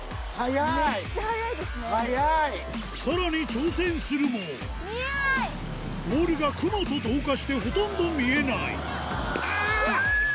さらに挑戦するもボールが雲と同化してほとんど見えないあぁ！